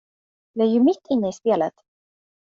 Vi är ju mitt inne i spelet.